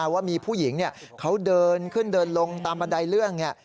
ว่ามีผู้หญิงเขาเดินขึ้นเดินลงตามบันไดเลื่อน